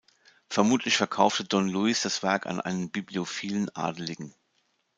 Vermutlich verkaufte Don Luis das Werk an einen bibliophilen Adeligen.